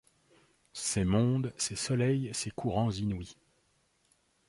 Ses mondes, ses soleils, ses courants inouïs